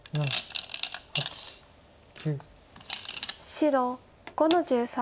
白５の十三。